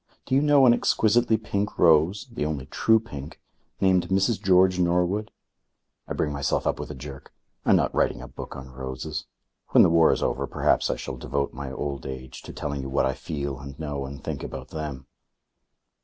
Do you know an exquisitely pink rose the only true pink named Mrs. George Norwood? ... I bring myself up with a jerk. I am not writing a book on roses. When the war is over perhaps I shall devote my old age to telling you what I feel and know and think about them....